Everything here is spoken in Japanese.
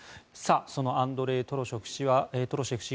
そのアンドレイ・トロシェフ氏